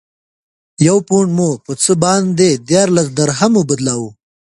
یو پونډ مو په څه باندې دیارلس درهمو بدلاوه.